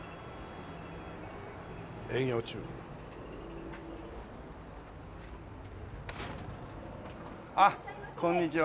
「営業中」あっこんにちは。